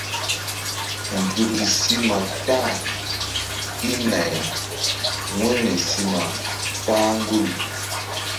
Nzukri si ma kpah i nay wu̧yri si ma kpah gul.